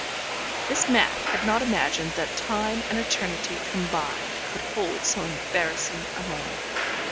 Miss Mapp had not imagined that Time and Eternity combined could hold so embarrassing a moment.